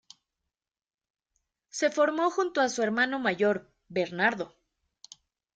Se formó junto a su hermano mayor, Bernardo.